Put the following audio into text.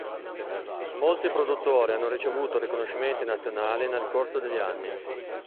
Molti produttori hanno ricevuto riconoscimenti nazionali nel corso degli anni.